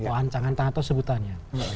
atau ancangan atau sebutannya